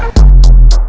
lo kasih tau dia